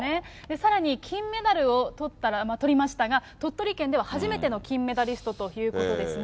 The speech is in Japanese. さらに金メダルをとったら、とりましたが、鳥取県では初めての金メダリストということですね。